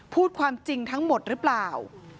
พูดความจริงทั้งหมดหรือเปล่า